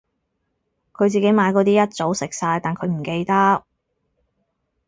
佢自己買嗰啲一早食晒但佢唔記得